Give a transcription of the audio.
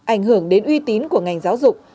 ảnh hưởng đến uy tín của ngành giáo dục